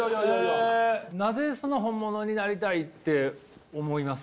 えなぜその本物になりたいって思いますか？